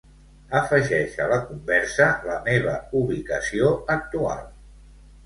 Afegeix a la conversa la meva ubicació actual.